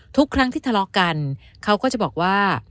ทุกครั้งที่ทะเลาะกันเขาก็จะบอกว่า